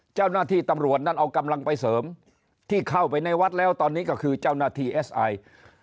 เจ้าหน้าที่ตำรวจนั้นเอากำลังไปเสริมที่เข้าไปในวัดแล้วตอนนี้ก็คือเจ้าหน้าที่เอสไอ